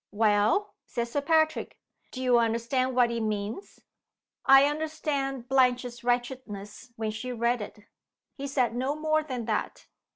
"Well?" said Sir Patrick. "Do you understand what it means?" "I understand Blanche's wretchedness when she read it." He said no more than that.